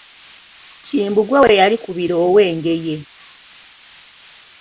Kimbugwe we yali Kubira ow'Engeye.